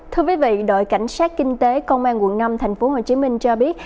thưa quý vị đội cảnh sát kinh tế công an quận năm tp hcm cho biết